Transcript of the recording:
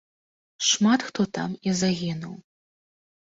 Шмат хто там і загінуў.